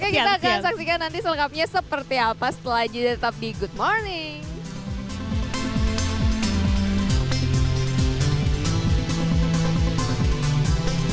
oke kita akan saksikan nanti selengkapnya seperti apa setelah jeda tetap di good morning